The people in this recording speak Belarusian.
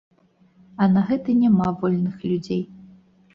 А на гэта няма вольных людзей.